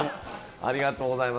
ありがとうございます。